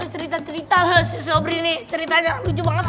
cerita cerita lah si sobri nih ceritanya lucu banget